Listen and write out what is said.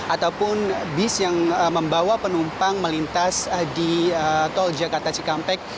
ataupun bis yang membawa penumpang melintas di tol jakarta cikampek